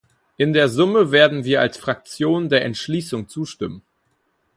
In der Summe werden wir als Fraktion der Entschließung zustimmen.